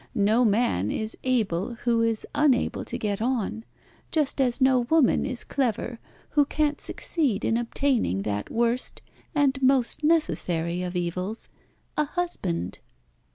No man is able who is unable to get on, just as no woman is clever who can't succeed in obtaining that worst, and most necessary, of evils a husband."